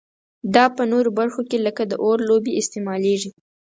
دا په نورو برخو کې لکه د اور لوبې استعمالیږي.